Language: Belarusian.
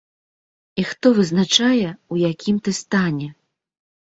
І хто вызначае ў якім ты стане?